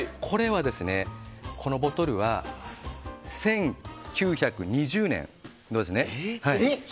このボトルは１９２０年のですね。